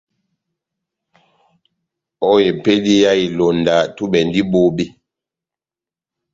Ó epédi yá ilonda, túbɛ endi bobé.